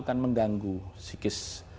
kan mengganggu sikis